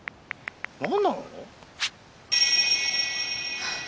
何なの？